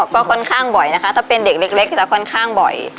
ก็ค่อนข้างบ่อยนะคะถ้าเป็นเด็กเล็กจะค่อนข้างบ่อย